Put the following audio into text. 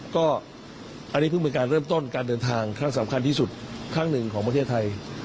ก็อันนี้เพิ่งเป็นการเริ่มต้นการเดินทางครั้งสำคัญที่สุดครั้งหนึ่งของประเทศไทย